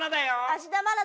芦田愛菜。